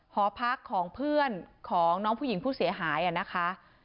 หอพักของเพื่อนของน้องผู้หญิงผู้เสียหายนะคะ